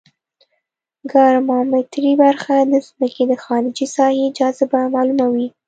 ګراومتري برخه د ځمکې د خارجي ساحې جاذبه معلوموي